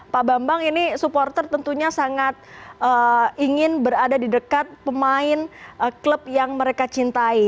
pak bambang ini supporter tentunya sangat ingin berada di dekat pemain klub yang mereka cintai